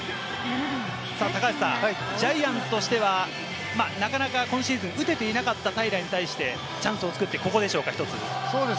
高橋さん、ジャイアンツとしては、なかなか今シーズン打てていなかった平良に対してチャンスを作って、ここでしょうか、１つ。